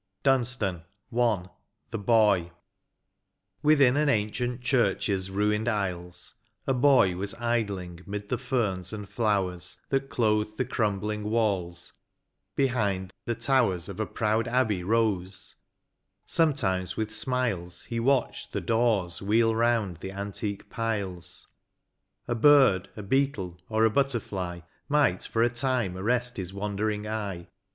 131 LXY. DUN8TAN. — I. THE BOY, Within an ancient church's ruined aisles A boy was idling *mid the ferns and flowers That clothed the crumbling walls ; behind, the towers Of a proud abbey rose ; sometimes with smiles He watched the daws wheel round the antique piles, A bird, a beetle, or a butterfly, Might for a time arrest his wandering eye.